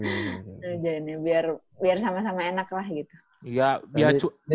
biar sama sama enak lah gitu